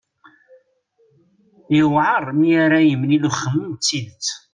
Yuɛer mi ara yemlil uxemmem d tidet.